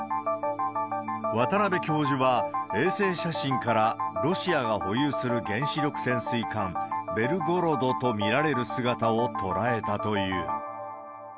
渡邉教授は、衛星写真から、ロシアが保有する原子力潜水艦、ベルゴロドと見られる姿を捉えたという。